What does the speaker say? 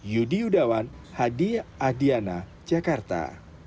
yudi yudawan hadi adiana jakarta